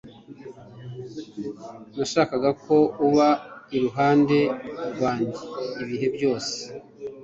nashakaga ko uba iruhande rwanjye ibihe byose